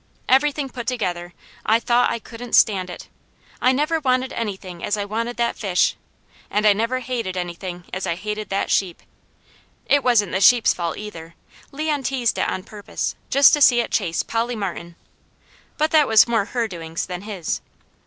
Everything put together, I thought I couldn't stand it. I never wanted anything as I wanted that fish, and I never hated anything as I hated that sheep. It wasn't the sheep's fault either; Leon teased it on purpose, just to see it chase Polly Martin; but that was more her doings than his.